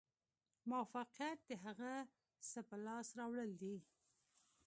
موفقیت د هغه څه په لاس راوړل دي.